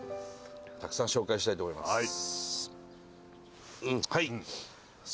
たくさん紹介したいと思います。